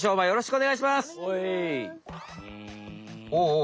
よし！